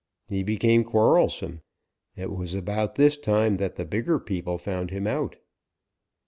He became quarrelsome. It was about this time that the bigger people found him out.